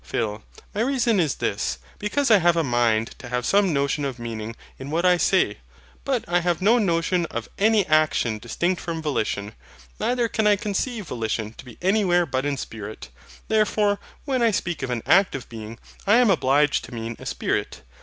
PHIL. My reason is this: because I have a mind to have some notion of meaning in what I say: but I have no notion of any action distinct from volition, neither can I conceive volition to be anywhere but in a spirit: therefore, when I speak of an active being, I am obliged to mean a Spirit.